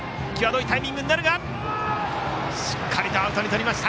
しっかりアウトにしました。